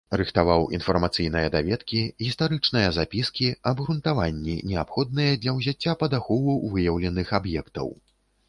Рыхтаваў інфармацыйныя даведкі, гістарычныя запіскі, абгрунтаванні, неабходныя для ўзяцця пад ахову выяўленых аб'ектаў.